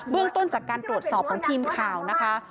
เรื่องต้นจากการตรวจสอบของทีมข่าวนะคะ